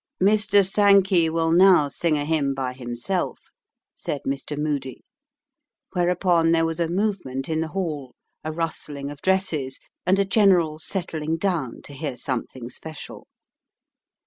"Mr. Sankey will now sing a hymn by himself," said Mr. Moody; whereupon there was a movement in the hall, a rustling of dresses, and a general settling down to hear something special.